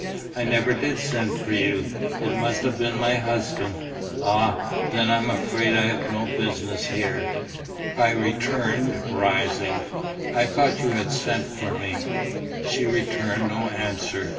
"I never did send for you. It must ha' been my husband." "Ah, then I'm afraid I've no business here!" I returned, rising. "I thought you had sent for me." She returned no answer.